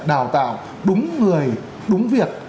đào tạo đúng người đúng việc